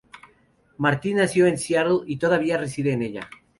Martin nació en Seattle y todavía reside en ella.